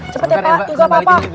cepet ya pak juga apa apa